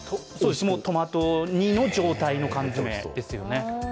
トマト煮の状態の缶詰ですよね。